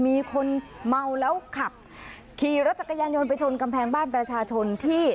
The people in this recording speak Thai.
มีคนเมาแล้วขับขี่รถจักรยานยนต์ไปชนกำแพงบ้านประชาชนที่